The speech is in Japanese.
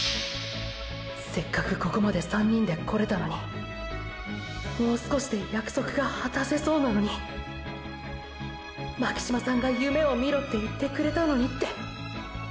せっかくここまで３人で来れたのにもう少しで約束が果たせそうなのに巻島さんが夢を見ろって言ってくれたのにって。